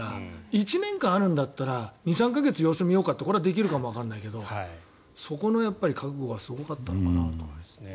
１年間あるんだったら２３か月、様子を見ようかってこれはできるかもわからないけどそこの覚悟がすごかったんだなと。